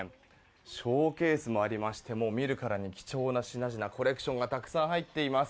ショーケースもありまして見るからに貴重な品々コレクションがたくさん入っています。